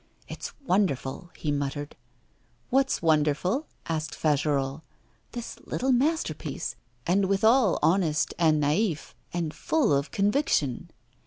'It's wonderful,' he muttered. 'What's wonderful?' asked Fagerolles. 'This little masterpiece and withal honest and naif, and full of conviction.